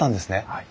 はい。